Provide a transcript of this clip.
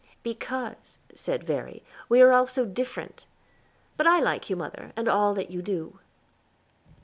"Because," said Verry, "we are all so different; but I like you, mother, and all that you do."